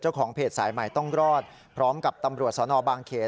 เพจสายใหม่ต้องรอดพร้อมกับตำรวจสนบางเขน